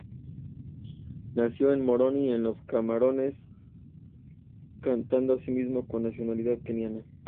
Nació en Moroni, en las Comoras, contando asimismo con nacionalidad keniana.